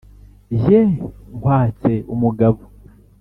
jye nkwatse umugabo.